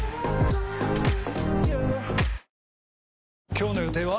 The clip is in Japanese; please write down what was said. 今日の予定は？